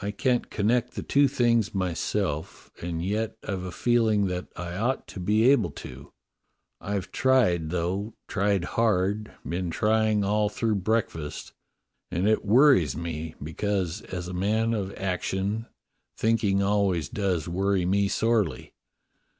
I can't connect the two things myself, and yet I've a feeling that I ought to be able to. I've tried, though, tried hard, been trying all through breakfast, and it worries me, because, as a man of action, thinking always does worry me sorely.